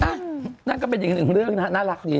ล่ะนั่นก็เป็นอย่างหนึ่งเรื่องน่ารักดี